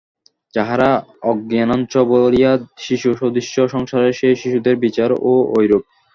যাহারা অজ্ঞানাচ্ছন্ন বলিয়া শিশুসদৃশ, সংসারের সেই শিশুদের বিচারও ঐরূপ।